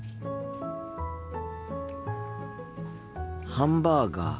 ハンバーガー。